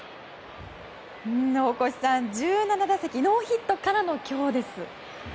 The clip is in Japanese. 大越さん、１７打席ノーヒットからの今日です。